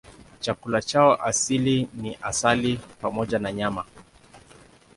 Chakula chao asili ni asali pamoja na nyama.